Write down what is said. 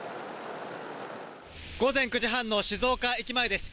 午前９時半の静岡駅前です。